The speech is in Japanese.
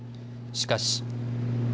しかし。